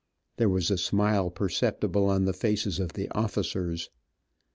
(There was a smile perceptible on the faces on the officers.)